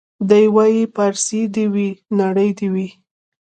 دی وايي پارسۍ دي وي نرۍ دي وي